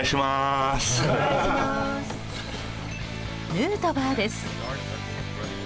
ヌートバーです。